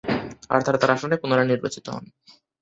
Arthur তার আসনে পুনরায় নির্বাচিত হন।